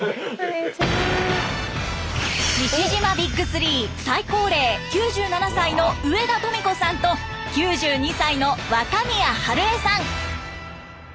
志々島ＢＩＧ３最高齢９７歳の上田富子さんと９２歳の若宮ハルエさん。